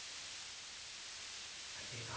会いてえか？